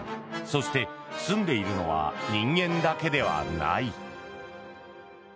そして、すんでいるのは人間だけではない。